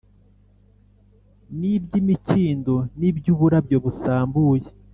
n’iby’imikindo n’iby’uburabyo busambuye